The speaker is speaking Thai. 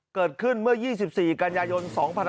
เกิดขึ้นเมื่อ๒๔กันยายน๒๕๖๒